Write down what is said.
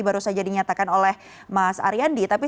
baru saja dinyatakan oleh mas ariandi tapi